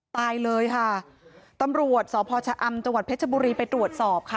ตายเลยค่ะตำรวจสพชะอำจังหวัดเพชรบุรีไปตรวจสอบค่ะ